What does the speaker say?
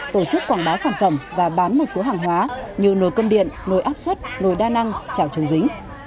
tổ chức quảng bá sản phẩm và bán một số hàng hóa như nồi cơm điện nồi áp suất nồi đa năng trảo trường dính